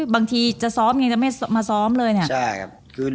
บางทีจะซ้อมยังไงจะไม่มาซ้อมเลยเนี่ย